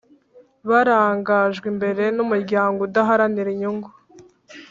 Barangajwe imbere n’umuryango udaharanira inyungu